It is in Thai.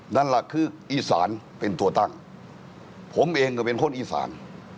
นั่นแหละคืออีสานเป็นตัวตั้งผมเองก็เป็นคนอีสาน